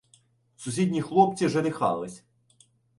Сусідні хлопці женихались